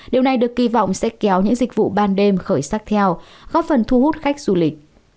điều này được kỳ vọng sẽ kéo những dịch vụ ban đêm khởi sắc theo góp phần thu hút khách du lịch